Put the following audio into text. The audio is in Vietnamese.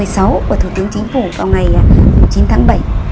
của thủ tướng chính phủ vào ngày chín tháng bảy